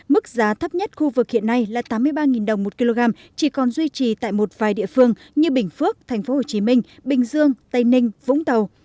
mức giá thấp nhất khu vực hiện nay là tám mươi ba đồng một kg chỉ còn duy trì tại một vài địa phương như bình phước tp hcm bình dương tây ninh vũng tàu